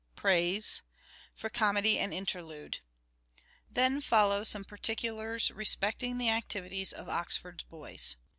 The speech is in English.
praise) for comedy and interlude." ... (Then follow some particulars respecting the activities of " Oxford's Boys